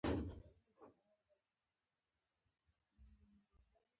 انار د افغانستان د بشري فرهنګ برخه ده.